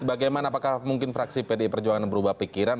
bagaimana apakah mungkin fraksi pdi perjuangan berubah pikiran